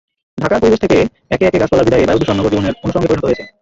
ঢাকার পরিবেশ থেকে একে একে গাছপালার বিদায়ে বায়ুদূষণ নগরজীবনের অনুষঙ্গে পরিণত হয়েছে।